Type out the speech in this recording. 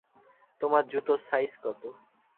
তোমার জুতোর সাইজ কত?